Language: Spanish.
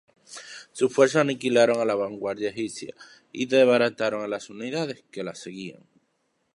Sus fuerzas aniquilaron la vanguardia egipcia y desbarataron a las unidades que la seguían.